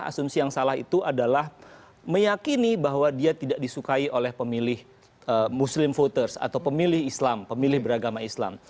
asumsi yang salah itu adalah meyakini bahwa dia tidak disukai oleh pemilih muslim voters atau pemilih islam pemilih beragama islam